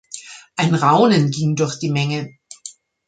Ein Raunen ging durch die Menge.